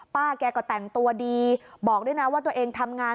ป้าแกก็แต่งตัวดีบอกด้วยนะว่าตัวเองทำงาน